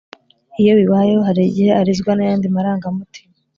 iyo bibayeho, hari igihe arizwa n’ayandi marangamutima